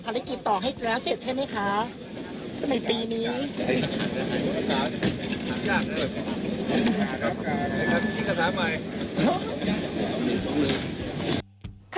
พูดด้วยขันบ้านเมืองกำลังมาก